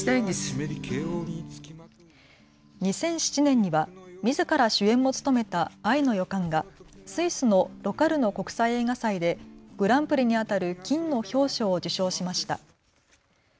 ２００７年には、みずから主演も務めた愛の予感がスイスのロカルノ国際映画祭でグランプリにあたる金の豹賞を受賞しました。